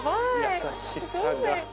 優しさが。